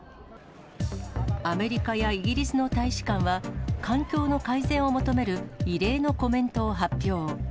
アメリカやイギリスの大使館は、環境の改善を求める異例のコメントを発表。